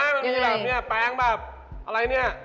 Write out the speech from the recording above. มันมีแบบนี้แปลงแบบอะไรเนี่ย